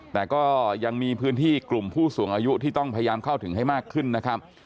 แต่ก็ยังมีพื้นที่กลุ่มผู้สูงอายุที่ต้องพยายามเข้าถึงให้มากขึ้นนะครับ